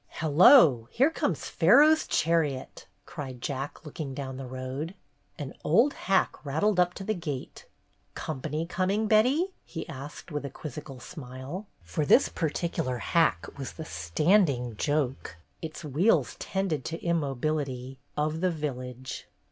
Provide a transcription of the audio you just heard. "Hello! Here comes Pharaoh's chariot!" cried Jack, looking down the road. An old hack rattled up to the gate. "Company com ing, Betty ?" he asked, with a quizzical smile, for this particular hack was the "standing" joke — its wheels tended to immobility — of the village.